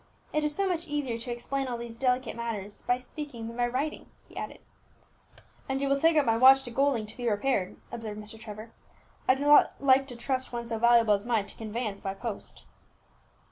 "It is so much easier to explain all these delicate matters by speaking than by writing," he added. "And you will take up my watch to Golding to be repaired," observed Mr. Trevor. "I do not like to trust one so valuable as mine to conveyance by post."